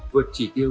vượt chỉ tiêu